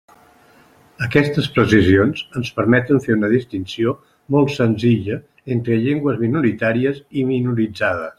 Aquestes precisions ens permeten fer una distinció molt senzilla entre llengües minoritàries i minoritzades.